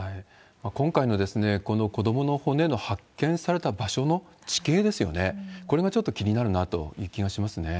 今回のこの子どもの骨の発見された場所の地形ですよね、これがちょっと気になるなという気がしますね。